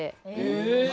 え。